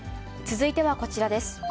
続いてはこちらです。